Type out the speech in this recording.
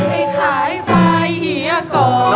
ให้ขายฝ่ายเฮียก่อน